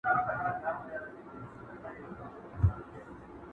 زه لکه ماشوم په منډومنډو وړانګي نیسمه!.